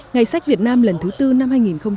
ngày sách việt nam lần thứ tư năm hai nghìn một mươi bảy